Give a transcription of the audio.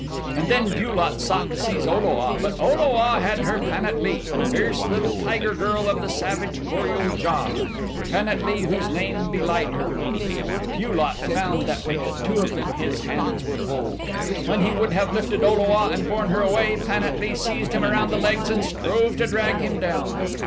And then Bu lot sought to seize O lo a, but O lo a had her Pan at lee fierce little tiger girl of the savage Kor ul JA Pan at lee whose name belied her and Bu lot found that with the two of them his hands were full. When he would have lifted O lo a and borne her away Pan at lee seized him around the legs and strove to drag him down.